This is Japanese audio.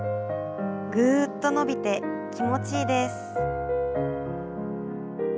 ぐっと伸びて気持ちいいです。